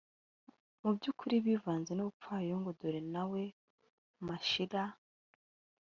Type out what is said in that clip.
mu by'ukuri bivanze n'ubupfayongo. dore nawe, mashira